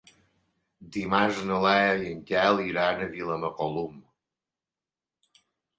Dimarts na Lea i en Quel iran a Vilamacolum.